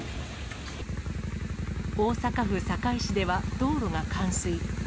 大阪府堺市では道路が冠水。